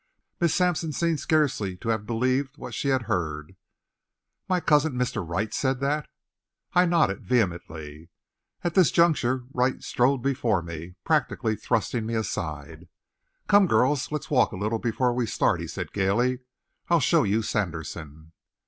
Miss Sampson seemed scarcely to have believed what she had heard. "My cousin Mr. Wright said that?" I nodded vehemently. At this juncture Wright strode before me, practically thrusting me aside. "Come girls, let's walk a little before we start," he said gaily. "I'll show you Sanderson."